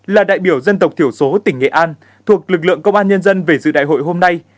là đại biểu dân tộc thiểu số tỉnh nghệ an thuộc lực lượng công an nhân dân về dự đại hội hôm nay